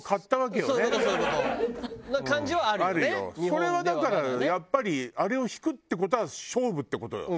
それはだからやっぱりあれを弾くって事は勝負って事よ。